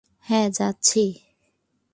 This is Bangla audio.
হ্যাঁ, যাচ্ছি।